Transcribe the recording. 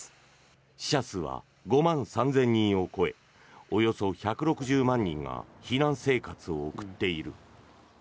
死者数は５万３０００人を超えおよそ１６０万人が避難生活を送っている。